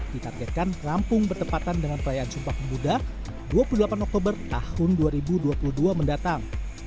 ditargetkan rampung bertepatan dengan perayaan sumpah pemuda dua puluh delapan oktober tahun dua ribu dua puluh dua mendatang